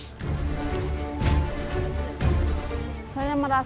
keluar dari jaringan teroris